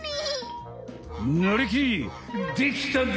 なりきりできたで！